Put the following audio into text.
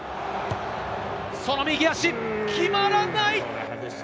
その右足、決まらない。